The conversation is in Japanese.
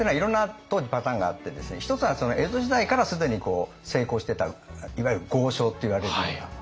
一つは江戸時代から既に成功してたいわゆる豪商といわれるような。